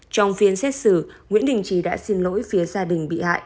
trong phiên xét xử nguyễn đình trí đã xin lỗi phía gia đình bị hại